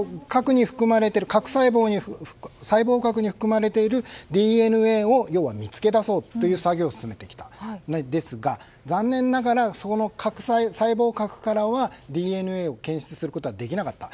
要は細胞核に含まれているＤＮＡを見つけ出そうという作業を進めてきたんですがですが、残念ながら細胞核からはＤＮＡを検出することはできなかった。